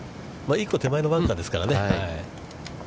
１個手前のバンカーですからね。